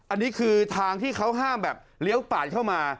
อันนี้คือทางที่เขาห้ามแบบเลี้ยวปาดเข้ามา